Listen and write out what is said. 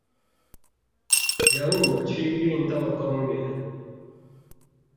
仁武區運動公園